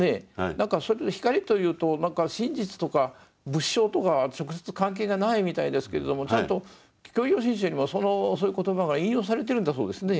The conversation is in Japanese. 何かそれを光と言うと何か真実とか仏性とか直接関係がないみたいですけれどもちゃんと「教行信証」にもそういう言葉が引用されているんだそうですね。